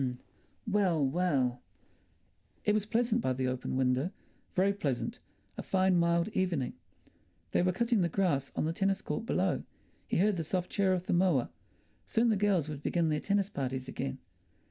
Well, well! It was pleasant by the open window, very pleasant—a fine mild evening. They were cutting the grass on the tennis court below; he heard the soft churr of the mower. Soon the girls would begin their tennis parties again.